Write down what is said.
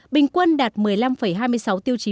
bình quân đạt một mươi năm hai mươi sáu tiêu chí